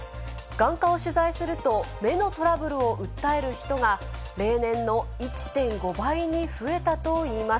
眼科を取材すると、目のトラブルを訴える人が、例年の１．５倍に増えたといいます。